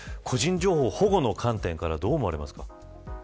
個人情報保護の観点からどう思われますか。